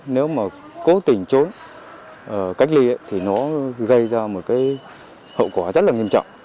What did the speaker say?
nếu mà cố tình trốn cách ly thì nó gây ra một hậu quả rất nghiêm trọng